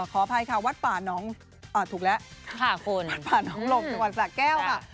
ขออภัยค่ะวัดป่านองค์ทุกวันสะแก้วค่ะ